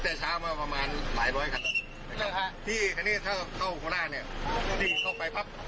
โบราชเข้ามาเซ็นที่ที่นี่ได้ยังไงครับ